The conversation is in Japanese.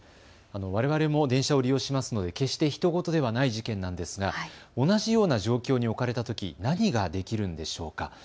われわれも電車を利用しますので決してひと事ではない事件なんですが同じような状況に置かれたとき何ができるんでしょうか。